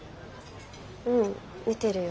うん見てるよ。